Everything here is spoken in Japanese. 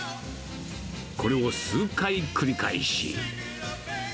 これを数回繰り返し。